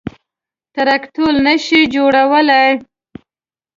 _تراکتور نه شي جوړولای.